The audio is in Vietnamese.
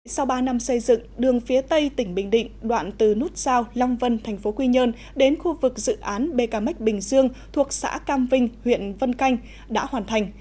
sau ba năm xây dựng đường phía tây tỉnh bình định đoạn từ nút sao long vân thành phố quy nhơn đến khu vực dự án bkm bình dương thuộc xã cam vinh huyện vân canh đã hoàn thành